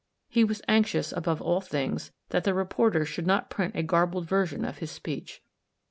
He was anxious, above all things, that the reporters should not print a garbled version of his speech.